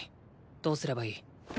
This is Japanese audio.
どうすればいい？